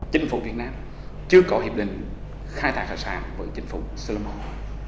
chính phủ việt nam chưa có hiệp định khai thác hải sản với chính phủ solomon